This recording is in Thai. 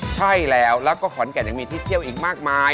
ใช่แล้วแล้วก็ขอนแก่นยังมีที่เที่ยวอีกมากมาย